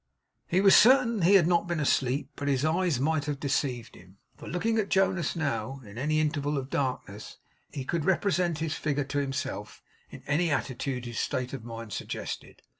He was certain he had not been asleep; but his eyes might have deceived him; for, looking at Jonas now in any interval of darkness, he could represent his figure to himself in any attitude his state of mind suggested.